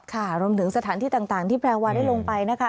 ค่ะรวมถึงสถานที่ต่างที่แพรวาได้ลงไปนะคะ